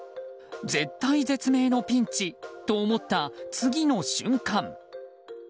絶体絶命のピンチと思った次の瞬間。